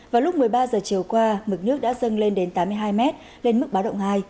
vào lúc một mươi ba h chiều qua mực nước đã dâng lên đến tám mươi hai m lên mức báo động hai